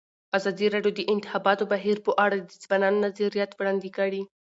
ازادي راډیو د د انتخاباتو بهیر په اړه د ځوانانو نظریات وړاندې کړي.